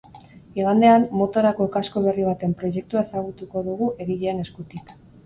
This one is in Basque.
Igandean, motorako kasko berri baten proiektua ezagutuko dugu egileen eskutik.